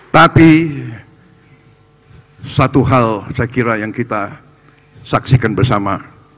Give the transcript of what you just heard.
tapi satu hal saya kira yang kita saksikan bersama